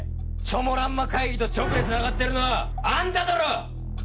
チョモランマ会議と直でつながっているのはあんただろう！？